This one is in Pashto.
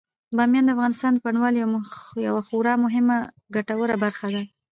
بامیان د افغانستان د بڼوالۍ یوه خورا مهمه او ګټوره برخه ده.